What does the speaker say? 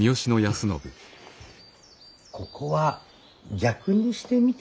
ここは逆にしてみては。